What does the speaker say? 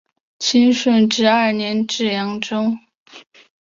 清顺治二年至扬州。